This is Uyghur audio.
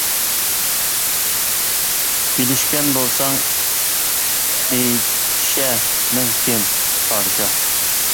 -بىلىشكەن بولساڭ ئېيتىشە مەن كىم؟ -پادىشاھ!